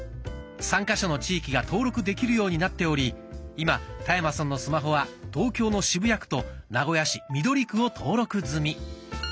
３か所の地域が登録できるようになっており今田山さんのスマホは東京の渋谷区と名古屋市緑区を登録済み。